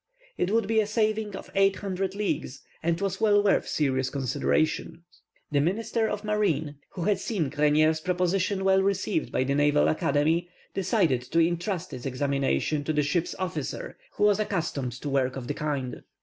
It would be a saving of eight hundred leagues, and was well worth serious consideration. The minister of Marine, who had seen Grenier's proposition well received by the Naval Academy, decided to entrust its examination to a ship's officer, who was accustomed to work of the kind.